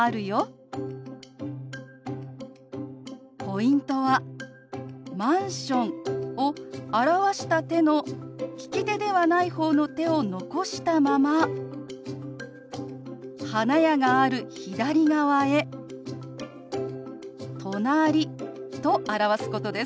ポイントはマンションを表した手の利き手ではない方の手を残したまま花屋がある左側へ「隣」と表すことです。